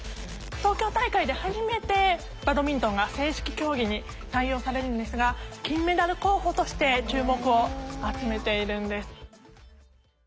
東京大会で初めてバドミントンが正式競技に採用されるんですが金メダル候補として注目を集めているんです。